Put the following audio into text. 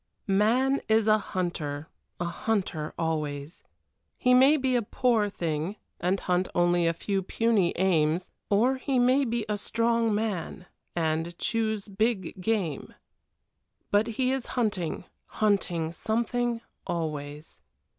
X Man is a hunter a hunter always. He may be a poor thing and hunt only a few puny aims, or he may be a strong man and choose big game. But he is hunting, hunting something always.